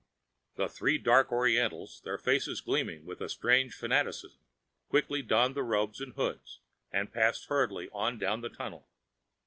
The three dark Orientals, their faces gleaming with strange fanaticism, quickly donned the robes and hoods and passed hurriedly on down the tunnel.